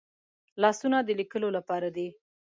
لاسونه د لیکلو لپاره دي